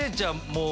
もう。